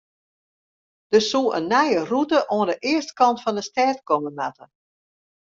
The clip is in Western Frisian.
Der soe in nije rûte oan de eastkant fan de stêd komme moatte.